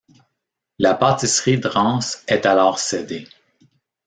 La pâtisserie Drans est alors cédée.